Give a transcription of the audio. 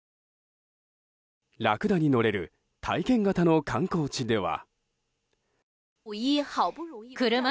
ラクダに乗れる体験型の観光地では。